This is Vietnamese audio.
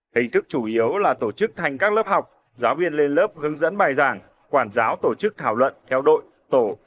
hình thức chủ yếu là tổ chức thành các lớp học giáo viên lên lớp hướng dẫn bài giảng quản giáo tổ chức thảo luận theo đội tổ